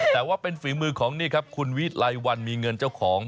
แต่ว่าเป็นฝีมือของนี่ครับคุณวิไลวันมีเงินเจ้าของ